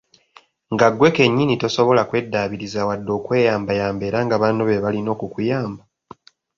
Nga ggwe kennyini tosobola kw'eddaabiriza wadde okweyambayamba era nga banno beebalina okukuyamba.